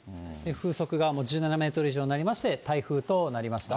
風速がもう１７メートル以上になりまして、台風となりました。